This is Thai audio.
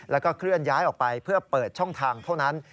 แล้วก็เคลื่อนย้ายออกไปเพื่อเปิดช่องทางเท่านั้น